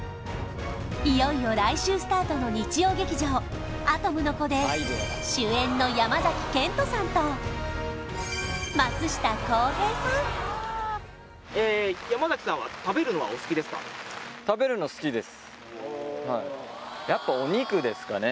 いよいよ来週スタートの日曜劇場「アトムの童」で主演の山賢人さんと松下洸平さんおおはいやっぱお肉ですかね